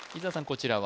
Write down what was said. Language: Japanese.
こちらは？